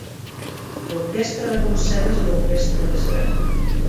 L'orquestra de concert és l'orquestra més gran.